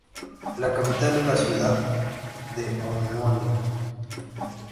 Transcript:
La capital es la ciudad de homónima.